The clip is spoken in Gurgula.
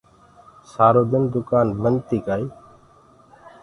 سآرو دن دُڪآن بنٚد تيٚ ڪآئيٚ